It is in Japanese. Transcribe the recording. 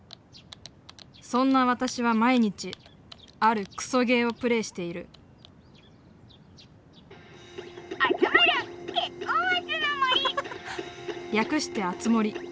そんな私は毎日あるクソゲーをプレーしているあつまる！